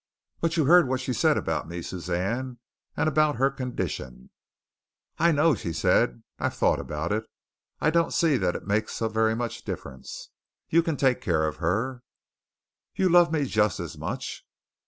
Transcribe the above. "But you heard what she said about me, Suzanne, and about her condition?" "I know," she said. "I've thought about it. I don't see that it makes so very much difference. You can take care of her." "You love me just as much?"